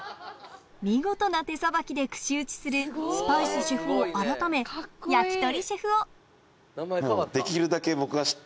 見事な手さばきで串打ちするスパイスシェフ男改め焼き鳥シェフ男